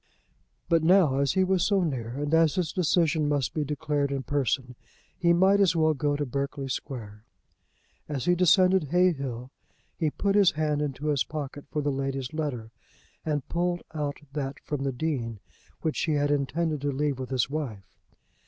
But now, as he was so near, and as his decision must be declared in person, he might as well go to Berkeley Square. As he descended Hay Hill he put his hand into his pocket for the lady's letter, and pulled out that from the Dean which he had intended to leave with his wife.